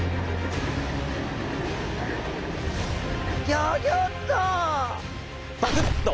ギョギョッと！